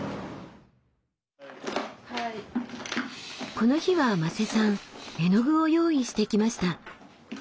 この日は馬瀬さん絵の具を用意してきました。